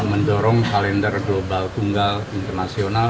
mendorong kalender global tunggal internasional